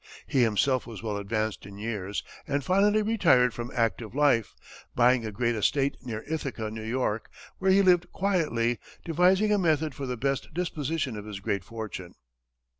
He himself was well advanced in years, and finally retired from active life, buying a great estate near Ithaca, New York, where he lived quietly, devising a method for the best disposition of his great fortune.